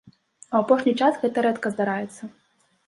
У апошні час гэта рэдка здараецца.